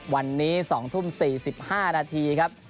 วันนี้๐๘๔๕นครับ